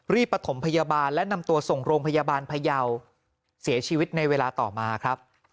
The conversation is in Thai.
ประถมพยาบาลและนำตัวส่งโรงพยาบาลพยาวเสียชีวิตในเวลาต่อมาครับ